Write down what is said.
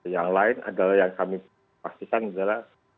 yang lain adalah yang kami pastikan adalah